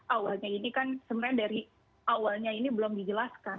awalnya ini kan sebenarnya dari awalnya ini belum dijelaskan